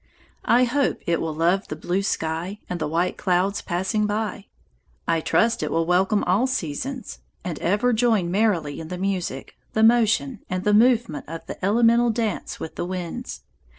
I hope it will love the blue sky and the white clouds passing by. I trust it will welcome all seasons and ever join merrily in the music, the motion, and the movement of the elemental dance with the winds.